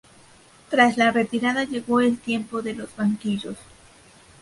Tras la retirada llegó el tiempo de los banquillos.